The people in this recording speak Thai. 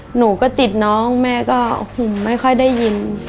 หนูก็ติดน้องแม่ก็ไม่ค่อยได้ยิน